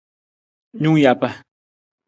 Nung japa.